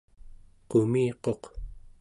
qumiquq